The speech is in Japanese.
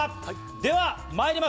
では、まいります。